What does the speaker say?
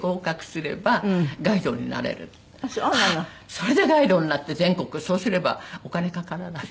それでガイドになって全国そうすればお金かからない。